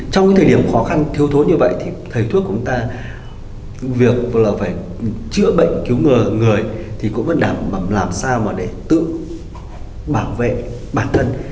trong cái thời điểm khó khăn thiếu thốn như vậy thì thầy thuốc của chúng ta việc là phải chữa bệnh cứu người thì cũng vẫn đảm bảo làm sao mà để tự bảo vệ bản thân